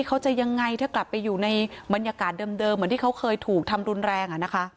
เขาจะยังไงถ้ากลับไปอยู่ในบรรยากาศเดิมเหมือนที่เขาเคยถูกทำรุนแรง